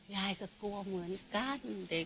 ยายก็กลัวเหมือนกันเด็ก